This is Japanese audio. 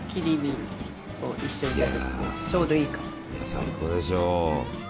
最高でしょう。